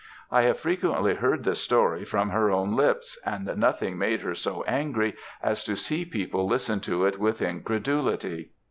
I have frequently heard the story from her own lips, and nothing made her so angry as to see people listen to it with incredulity.